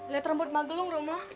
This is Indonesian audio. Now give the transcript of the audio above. lihat rambut magelung